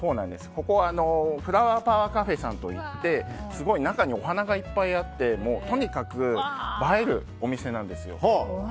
フラワーパワーカフェさんといって中にお花がいっぱいあってとにかく映えるお店なんですよ。